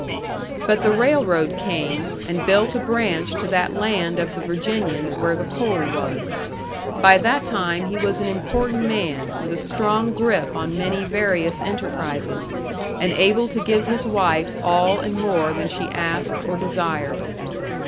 But the railroad came, and built a branch to that land of the Virginian's where the coal was. By that time he was an important man, with a strong grip on many various enterprises, and able to give his wife all and more than she asked or desired.